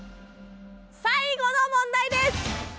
最後の問題です！